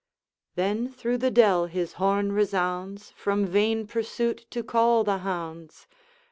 Then through the dell his horn resounds, From vain pursuit to call the hounds.